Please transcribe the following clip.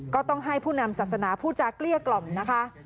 ก็ต้องให้ผู้นำศาสนาผู้จาเกลี้ยกล่อมนะคะ